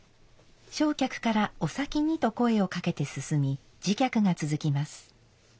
正客から「お先に」と声をかけて進み次客が続きます。